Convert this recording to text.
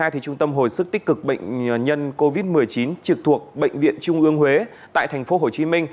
trung tâm hồi sức tích cực bệnh nhân covid một mươi chín trực thuộc bệnh viện trung ương huế tại tp hcm